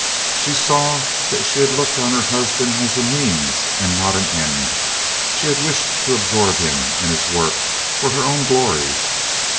She saw that she had looked on her husband as a means not an end. She had wished to absorb him and his work for her own glory.